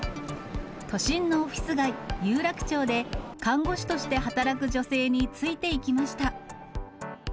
都心のオフィス街、有楽町で、看護師として働く女性についていきました。